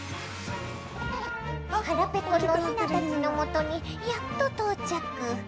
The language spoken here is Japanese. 腹ぺこのひなたちのもとにやっと到着。